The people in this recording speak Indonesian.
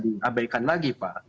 diabaikan lagi pak